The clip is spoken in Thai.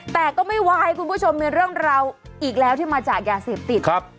แต่ก็ไม่ไหวคุณผู้ชมมีเรื่องราวอีกแล้วที่มาจากยาเสพติดครับ